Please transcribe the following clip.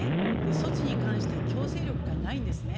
措置に関して強制力がないんですね。